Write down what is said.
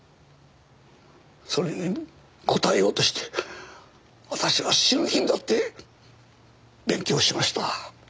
それに応えようとして私は死ぬ気になって勉強しました。